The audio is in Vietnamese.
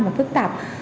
và phức tạp